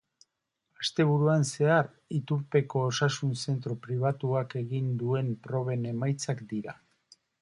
Asteburuan zehar itunpeko osasun zentro pribatuak egin duen proben emaitzak dira.